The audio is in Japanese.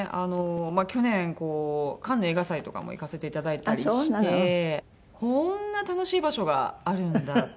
去年カンヌ映画祭とかも行かせていただいたりしてこんな楽しい場所があるんだ！